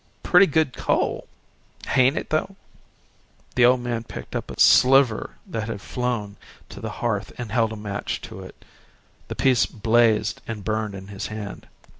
"Pretty good coal!" "Hain't it, though?" The old man picked up a sliver that had flown to the hearth and held a match to it. The piece blazed and burned in his hand.